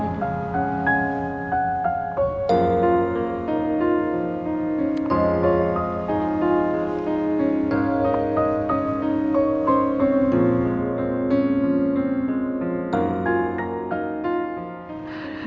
sampai jumpa lagi